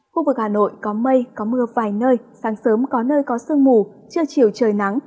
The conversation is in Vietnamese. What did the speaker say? khu vực hà nội có mây có mưa vài nơi sáng sớm có nơi có sương mù trưa chiều trời nắng